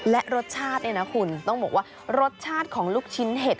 และรสชาติเนี่ยนะคุณต้องบอกว่ารสชาติของลูกชิ้นเห็ด